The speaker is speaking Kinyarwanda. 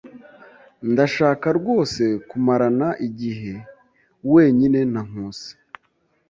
Ndashaka rwose kumarana igihe wenyine na Nkusi.